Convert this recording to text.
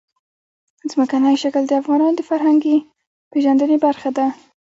ځمکنی شکل د افغانانو د فرهنګي پیژندنې برخه ده.